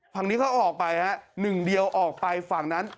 ฝั่งนี้เขาออกไปฮะหนึ่งเดียวออกไปฝั่งนั้น